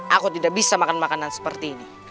aku tidak bisa makan makanan seperti ini